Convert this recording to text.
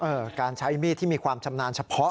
การใช้มีดที่มีความชำนาญเฉพาะ